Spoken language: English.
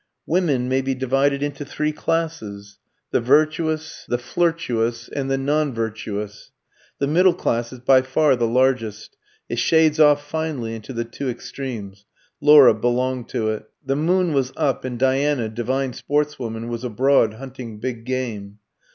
"Women may be divided into three classes the virtuous, the flirtuous, and the non virtuous. The middle class is by far the largest. It shades off finely into the two extremes. Laura belonged to it." "The moon was up, and Diana, divine sportswoman, was abroad, hunting big game."